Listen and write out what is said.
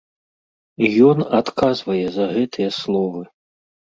І ён адказвае за гэтыя словы.